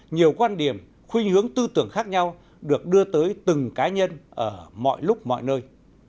nhiều quan điểm khuyên hướng tư tưởng khác nhau được đưa tới từng cá nhân ở mọi lúc mọi nơi